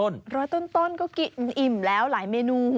ร้อยต้นก็กินอิ่มแล้วหลายเมนู